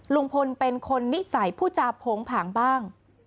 ลุงพลเป็นคนนิสัยผู้จาโผงผางบ้าง